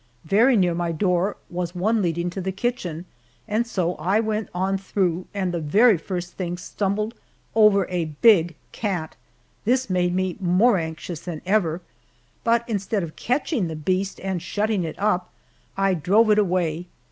Very near my door was one leading to the kitchen, and so I went on through, and the very first thing stumbled over a big cat! This made me more anxious than ever, but instead of catching the beast and shutting it up, I drove it away.